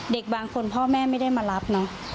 เด็กบางคนพ่อแม่ไม่ได้มารับเนอะ